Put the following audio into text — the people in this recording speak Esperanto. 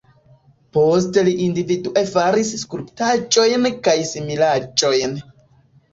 Poste li individue faris skulptaĵojn kaj similaĵojn.